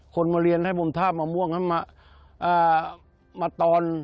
คนมาเรียนให้ผมทาบมะม่วงให้มาตอน